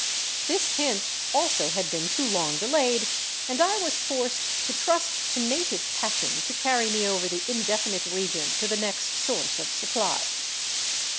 This hint also had been too long delayed, and I was forced to trust hj native patching to carry me over the indefinite region to the next source of supply.